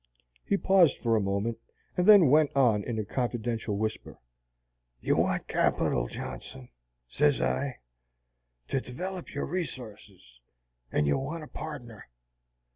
He paused for a moment, and then went on in a confidential whisper, "'You want capital, Johnson,' sez I, 'to develop your resources, and you want a pardner.